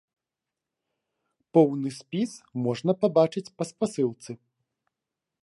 Поўны спіс можна пабачыць па спасылцы.